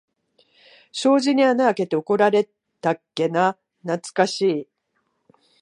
障子に穴あけて怒られたっけな、なつかしい。